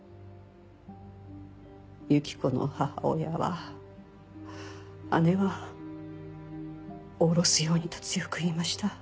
由紀子の母親は姉はおろすようにと強く言いました。